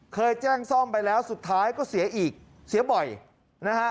เคยแจ้งซ่อมไปแล้วสุดท้ายก็เสียอีกเสียบ่อยนะฮะ